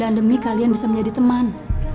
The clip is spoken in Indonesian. dan demi kalian bisa menjadi teman